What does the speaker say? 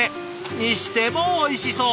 にしてもおいしそう！